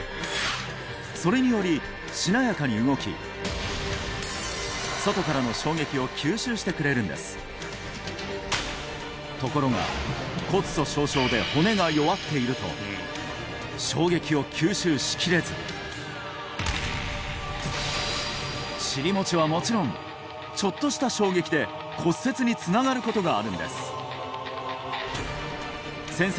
それによりしなやかに動き外からの衝撃を吸収してくれるんですところが骨粗しょう症で骨が弱っていると衝撃を吸収しきれず尻もちはもちろんにつながることがあるんです先生